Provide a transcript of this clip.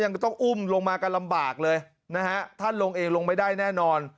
ยังต้องอุ้มลงมากันลำบากเลยนะฮะท่านลงเองลงไม่ได้แน่นอน